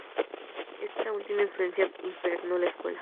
Esta última influencia impregnó la escuela.